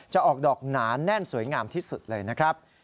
ออกดอกหนาแน่นสวยงามที่สุดเลยนะครับ